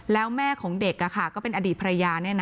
แล้วแม่ของเด็กก็เป็นอดีตภรรยา